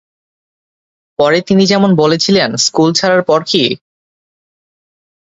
পরে তিনি যেমন বলেছিলেন, স্কুল ছাড়ার পর কী?